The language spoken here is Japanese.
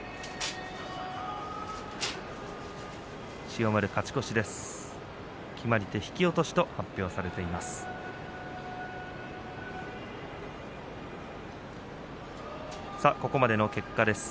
千代丸、勝ち越しです。